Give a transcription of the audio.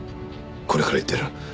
これから行ってやる。